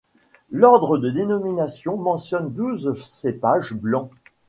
L'ordre de dénomination mentionne douze cépages blancs.